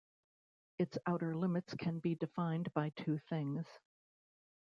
Its outer limits can be defined by two things.